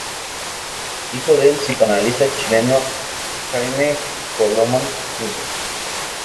Hijo del psicoanalista chileno Jaime Coloma Andrews.